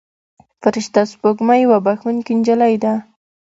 فرشته سپوږمۍ یوه بښونکې نجلۍ ده.